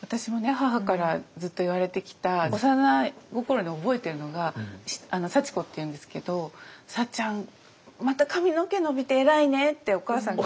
母からずっと言われてきた幼心に覚えてるのが祥子っていうんですけど「さっちゃんまた髪の毛伸びて偉いね」ってお母さんから言われてたの。